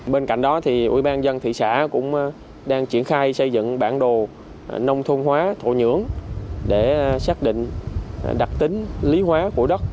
bên cạnh đó ubnd thị xã cũng đang triển khai xây dựng bản đồ nông thôn hóa thổ nhưỡng để xác định đặc tính lý hóa của đất